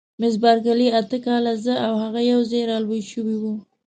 مس بارکلي: اته کاله، زه او هغه یوځای را لوي شوي وو.